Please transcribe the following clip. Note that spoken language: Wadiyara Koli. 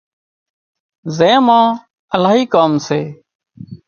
زين مان الاهي ڪام سي